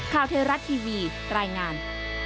ข้าวเทราะห์ทีวีรายงาน